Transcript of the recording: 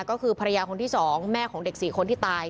ก็คือภรรยาคนที่๒แม่ของเด็ก๔คนที่ตาย